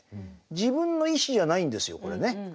自分の意思じゃないんですよこれね。